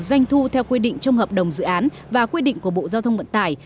doanh thu theo quy định trong hợp đồng dự án và quy định của bộ giao thông vận tải